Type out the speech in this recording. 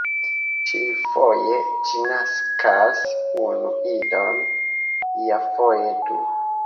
Ĉiufoje ĝi naskas unu idon, iafoje du.